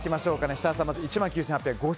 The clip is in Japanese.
設楽さんは１万９８００円。